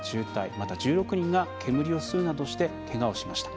また、１６人が煙を吸うなどしてけがをしました。